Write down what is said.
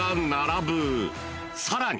［さらに］